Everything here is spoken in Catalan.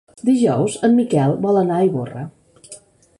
Dijous en Miquel vol anar a Ivorra.